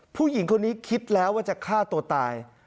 ผู้หญิงคนนี้คิดแล้วว่าจะฆ่าตัวตาย